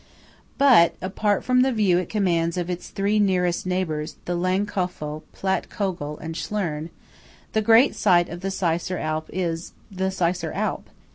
But (apart from the view it commands of its three nearest neighbours, the Lang Kofel, Platt Kogel, and Schlern) the great sight of the Seisser Alp is–the Seisser Alp.